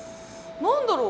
何だろう？